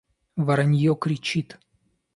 Воронье кричит.